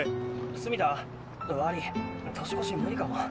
純田？悪ぃ年越し無理かも。